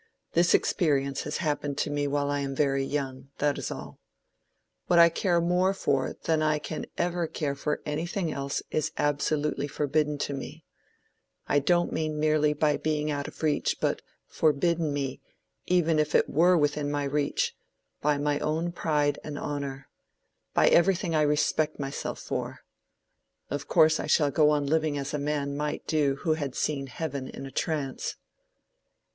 This experience has happened to me while I am very young—that is all. What I care more for than I can ever care for anything else is absolutely forbidden to me—I don't mean merely by being out of my reach, but forbidden me, even if it were within my reach, by my own pride and honor—by everything I respect myself for. Of course I shall go on living as a man might do who had seen heaven in a trance."